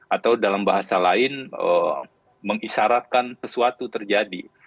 atau dalam bahasa lain mengisyaratkan sesuatu terjadi